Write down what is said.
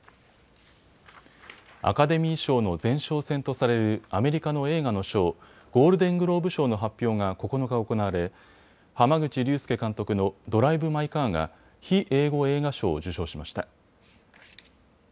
アカデミー賞の前哨戦とされるアメリカの映画の賞、ゴールデングローブ賞の発表が９日行われ、濱口竜介監督のドライブ・マイ・カーが非英語映画賞を受賞しました。